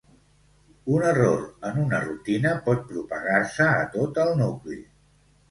Un error en una rutina pot propagar-se a tot el nucli.